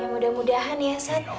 ya mudah mudahan ya seth